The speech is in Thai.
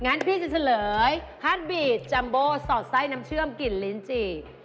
งั้นพี่จะเฉลยฮาร์ดบีดจัมโบสอดไส้น้ำเชื่อมกลิ่นลิ้นจี่